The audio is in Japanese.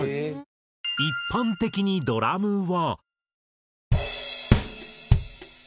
一般的にドラムは。